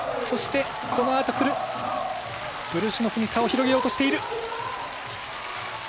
そして、このあと来るブルシュノフに差を広げようとしている。